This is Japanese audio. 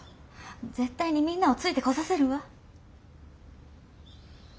絶対にみんなをついてこさせるわ。